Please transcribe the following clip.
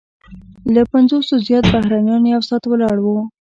له پنځوسو زیات بهرنیان یو ساعت ولاړ وو.